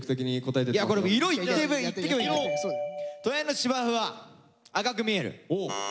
隣の芝生は赤く見える。